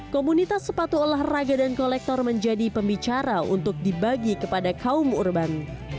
komunitas sepatu olahraga dan kolektor menjadi pembicara untuk dibagi kepada kaum urban